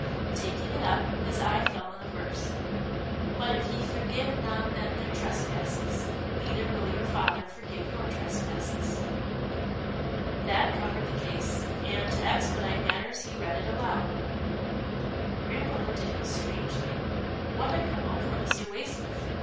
Taking it up, his eye fell on a verse, " But if ye forgive not men their tres passes, neither will your Father forgive your trespasses." That covered the case, and, to expedite matters, he read it aloud. Grampa looked at him strangely. What had come over Mr. Waysmith.